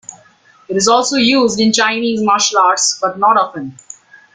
It is also used in Chinese martial arts but not often.